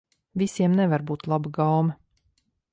Visiem nevar būt laba gaume.